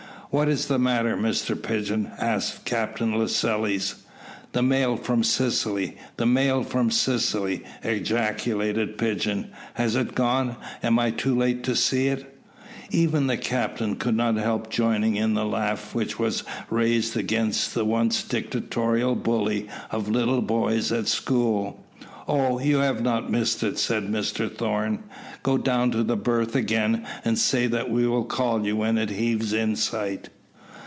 "What is the matter, Mr Pigeon?" asked Captain Lascelles. "The mail from Sicily! the mail from Sicily!" ejaculated Pigeon. "Has it gone? Am I too late to see it?" Even the captain could not help joining in the laugh which was raised against the once dictatorial bully of little boys at school. "Oh, you have not missed it," said Mr Thorn. "Go down to the berth again, and say that we will call you when it heaves in sight."